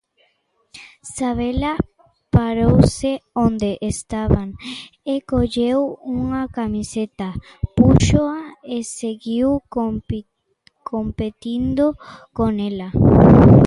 Sabela parouse onde estaban e colleu unha camiseta, púxoa e seguiu competindo con ela.